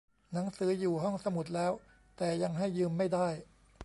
หนังสืออยู่ห้องสมุดแล้ว แต่ยังให้ยืมไม่ได้